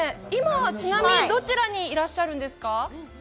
今は、ちなみにどちらにいらっしゃるんですか。